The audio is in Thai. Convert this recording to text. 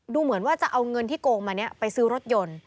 ดูเหมือนว่าจะเอาเงินที่โกงมานี้ไปซื้อรถยนต์